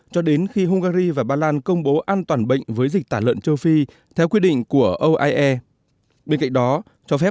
cho đến khi hungary và ba lan công bố an toàn bệnh với dịch tả lợn châu phi theo quy định của oie